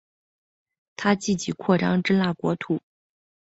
他积极扩张真腊国土。